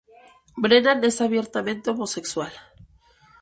Brennan es abiertamente homosexual.